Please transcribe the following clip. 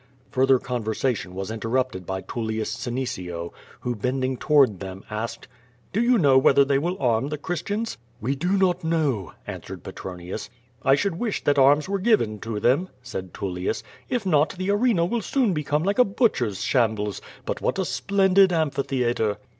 Further conversation was interruptiHl by Tullius Senecio, who, bending toward them, asked: "Do you know whether they will arm the Christians?'* "We do not know,*' answered Pet nonius. "I should wish that arms were given to them/' said Tullius, \t not, the arena will soon become like a butcher's shambles. But what a splendid amphitheatre!''